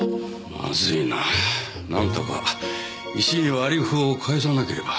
まずいななんとか石井に割り符を返さなければ。